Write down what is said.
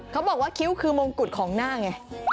เขาบอกว่าคิ้วคือมงกุฎของหน้าไง